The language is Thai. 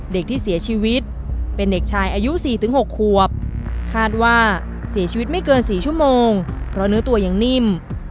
เด็กที่เสียชีวิตเป็นเด็กชายอายุ๔๖ควบคาดว่าเสียชีวิตไม่เกิน๔ชั่วโมงเพราะเนื้อตัวยังนิ่ม